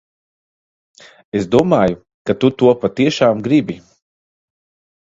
Es domāju, ka tu to patiešām gribi.